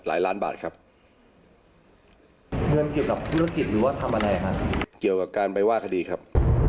หลายล้านบาทครับ